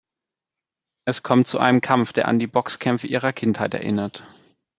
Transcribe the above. Es kommt zu einem Kampf, der an die Boxkämpfe ihrer Kindheit erinnert.